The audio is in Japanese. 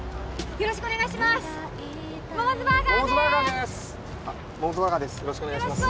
よろしくお願いします